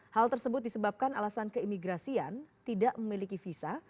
hal tersebut disebabkan alasan keimigrasian tidak memiliki visa